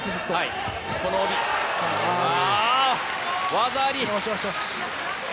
技あり！